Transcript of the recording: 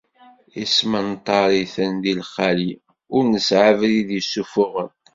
Ismenṭar-iten di lxali ur nesɛi abrid yessufuɣen.